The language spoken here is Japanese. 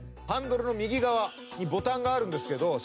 ハンドルの右側にボタンがあるんですけど。